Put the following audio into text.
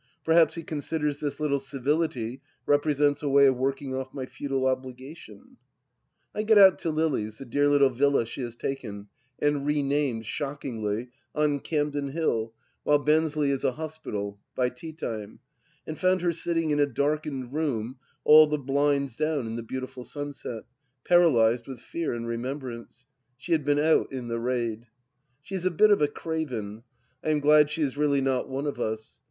Perhaps he considers this little civility represents a way of working off my feudal obligation ? I got out to Lily's, the dear little villa she has taken — and renamed shoclangly — on Campden Hill, while Bensley is a hospital — ^by tea time, and found her sitting in a darkened room, all the blinds down in the beautiful sunset, paralysed with fear and remembrance. She had been out in the raid. She is a bit of a craven. I am glad she is really not one of us.